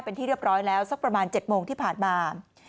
เป็นที่เรียบร้อยแล้วสักประมาณ๗โมงที่ผ่านมา